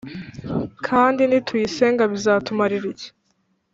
kandi nituyisenga bizatumarira iki’’